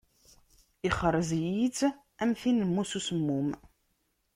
Ixṛez-iyi-tt am tin n Musa Usemmum.